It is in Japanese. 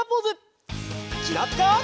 きらぴか。